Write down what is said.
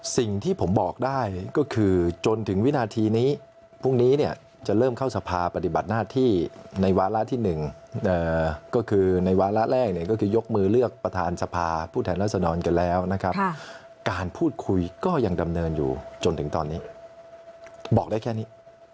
สิ่งที่ผมบอกได้ก็คือจนถึงวินาทีนี้พรุ่งนี้เนี่ยจะเริ่มเข้าสภาปฏิบัติหน้าที่ในวาระที่๑ก็คือในวาระแรกเนี่ยก็คือยกมือเลือกประธานสภาผู้แทนรัศดรกันแล้วนะครับการพูดคุยก็ยังดำเนินอยู่จนถึงตอนนี้บอกได้แค่นี้